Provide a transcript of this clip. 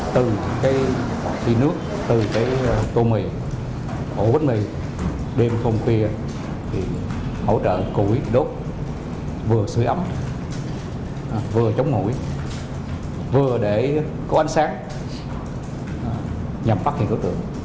từ cái thị nước từ cái tô mì ổ bánh mì đêm hôm khuya hỗ trợ củi đốt vừa sửa ấm vừa chống ngủi vừa để có ánh sáng nhằm phát hiện đối tượng